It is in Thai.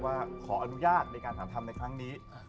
ขออนุญาตในการหาทำในครั้งนี้